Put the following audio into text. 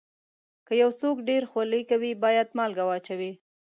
که یو څوک ډېر خولې کوي، باید مالګه واچوي.